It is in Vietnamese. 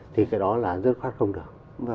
thì cái đó là rất khó không được